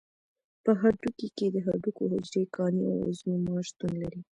په هډوکي کې د هډوکو حجرې، کاني او عضوي مواد شتون لري.